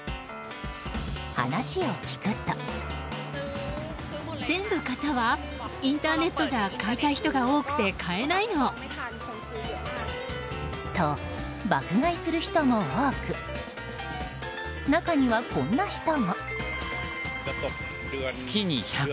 話を聞くと。と、爆買いする人も多く中にはこんな人も。